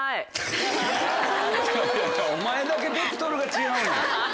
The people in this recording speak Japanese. お前だけベクトルが違うねん。